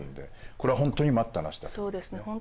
これは本当に待ったなしだと。